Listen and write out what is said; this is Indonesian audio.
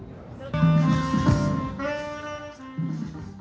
dikumpulkan dengan konser online